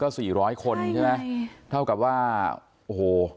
ก็๔๐๐คนใช่มั้ยนี่เนี่ยถ้าเปล่าว่าโอ้โห